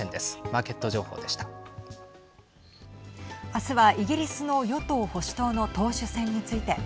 明日はイギリスの与党・保守党の党首選について。